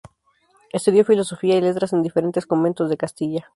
Estudió filosofía y letras en diferentes conventos de Castilla.